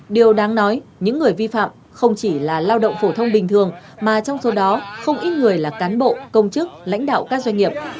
điều đáng nói những người vi phạm không chỉ là lao động phổ thông bình thường mà trong số đó không ít người là cán bộ công chức lãnh đạo các doanh nghiệp